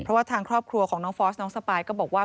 เพราะว่าทางครอบครัวของน้องฟอสน้องสปายก็บอกว่า